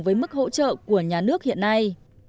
với mức hỗ trợ của nhà nước hiện nay